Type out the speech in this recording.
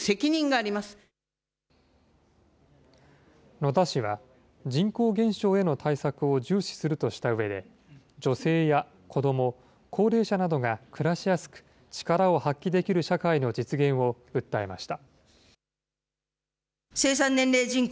野田氏は、人口減少への対策を重視するとしたうえで、女性や子ども、高齢者などが暮らしやすく、力を発揮できる社会の実現を訴えました。